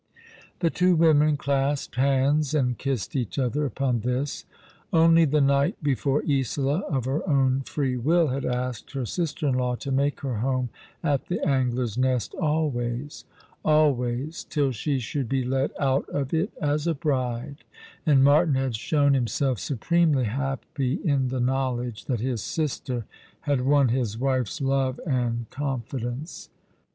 The two women clasped hands, and kissed each other upon this. Only the night before Isola, of her own free will, had asked her sister in law to make her home at the Angler's Nest always, always, till she should be led out of it as a bride; and Martin had shown himself supremely happy in the knowledge that his sister had won his wife's love and confidence.